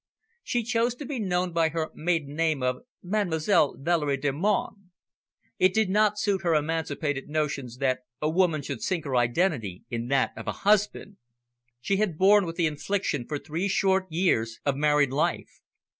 She chose to be known by her maiden name of Mademoiselle Valerie Delmonte. It did not suit her emancipated notions that a woman should sink her identity in that of a husband. She had borne with the infliction for three short years of married life.